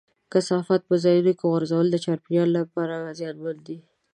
کثافات په ځایونو کې غورځول د چاپېریال لپاره زیانمن دي.